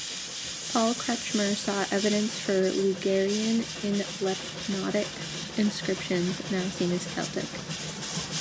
Paul Kretschmer saw evidence for Ligurian in Lepontic inscriptions, now seen as Celtic.